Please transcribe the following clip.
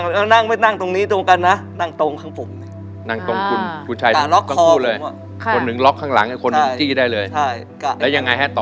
ดึงในใจสงสัยทางหน้าคนหนึ่งประกบคุณชายคนหนึ่งส่งข้างหลังคนนึง